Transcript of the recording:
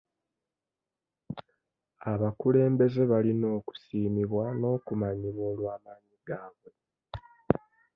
Abakulembeze balina okusiimibwa n'okumanyibwa olw'amaanyi gaabwe.